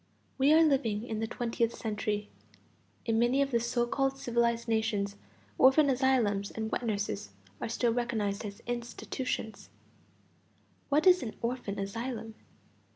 We are living in the twentieth century; in many of the so called civilized nations orphan asylums and wet nurses are still recognized institutions. What is an orphan asylum?